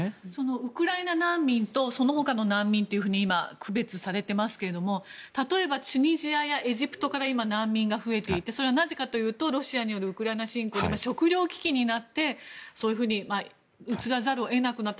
ウクライナ難民とその他の難民と今、区別されていますが例えばチュニジアやエジプトから今、難民が増えていてロシアによるウクライナ侵攻で食料危機になって移らざるを得なくなった。